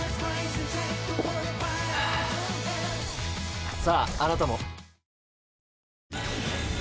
ああなたも。